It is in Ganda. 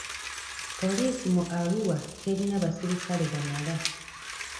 Poliisi mu Arua terina basirikale bamala.